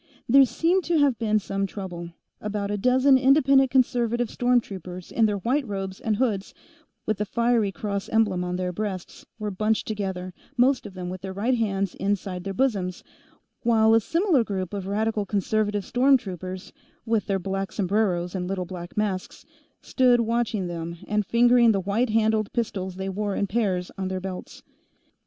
There seemed to have been some trouble; about a dozen Independent Conservative storm troopers, in their white robes and hoods, with the fiery cross emblem on their breasts, were bunched together, most of them with their right hands inside their bosoms, while a similar group of Radical Conservative storm troopers, with their black sombreros and little black masks, stood watching them and fingering the white handled pistols they wore in pairs on their belts.